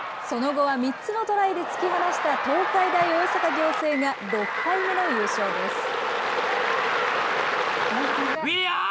その後は３つのトライで突き放した東海大大阪仰星が６回目の優勝です。